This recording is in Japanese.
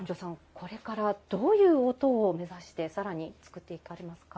これからどういう音を目指して更に作っていかれますか？